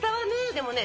でもね